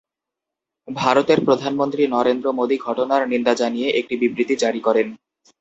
ভারতের প্রধানমন্ত্রী নরেন্দ্র মোদী ঘটনার নিন্দা জানিয়ে একটি বিবৃতি জারি করেন।